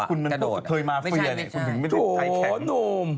กระโดดไม่ใช่โถหนุ่ม